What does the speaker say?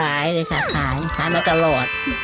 ขายเลยค่ะขายขายมาตลอด